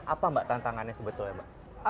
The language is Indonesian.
apa mbak tantangannya sebetulnya mbak